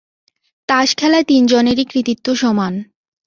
তাস খেলায় তিনজনেরই কৃতিত্ব সমান।